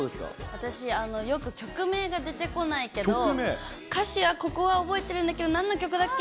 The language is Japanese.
私、よく、曲名が出てこないけど、歌詞は、ここは覚えてるんだけどなんの曲だっけ？